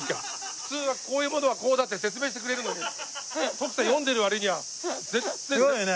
普通はこういうものはこうだって説明してくれるのに徳さん読んでる割には。すごいよね。